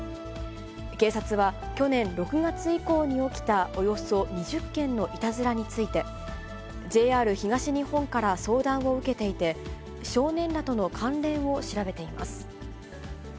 警察は、去年６月以降に起きたおよそ２０件のいたずらについて、ＪＲ東日本から相談を受けていて、少年らとの関連を調べています。